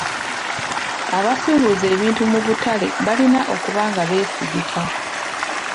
Abasuubuza ebintu mu butale balina okuba nga beesigika.